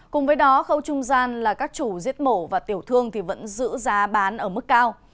cùng với đó khâu trung gian là các chủ giết mổ và tiểu thương vẫn giữ giá bán ở mức cao